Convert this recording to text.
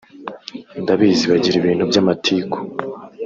ndabizi bagira ibintu by’amatiku